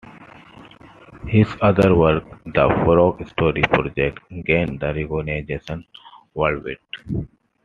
His other work, The frog-story project, gained recognition worldwide.